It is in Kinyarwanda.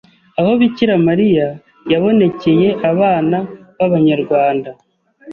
aho Bikira Mariya yabonekeye abana b’abanyarwanda